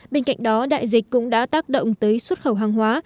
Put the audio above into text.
bên cạnh đó đại dịch cũng đã tác động tới xuất khẩu hàng hóa